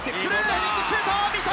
ヘディングシュート、三笘！